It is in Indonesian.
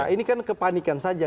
ini kan kepanikan saja